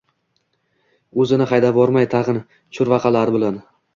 O`zini haydavormay tag`in churvaqalari bilan